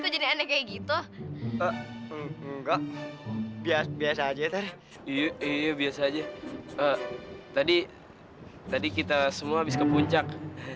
aneh kayak gitu enggak biasa biasa aja yuk biasa aja tadi tadi kita semua habis ke puncak